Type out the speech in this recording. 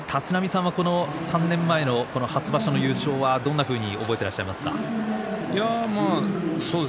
３年前の初場所の優勝はどんなふうに覚えていらっしゃいますか？